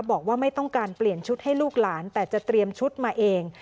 บอกว่าไม่ต้องการเปลี่ยนชุดให้ลูกหลานแต่จะเตรียมชุดมาเอง